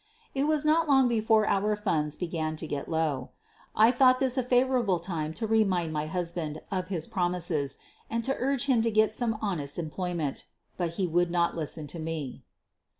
It was not long before our funds began to get low. I thought this a favorable time to remind my hus band of his promises and to urge him to get some honest employment. But he would not listen to me.